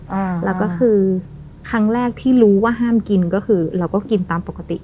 อ่าแล้วก็คือครั้งแรกที่รู้ว่าห้ามกินก็คือเราก็กินตามปกติ